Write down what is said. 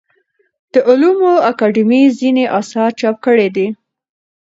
د علومو اکاډمۍ ځینې اثار چاپ کړي دي.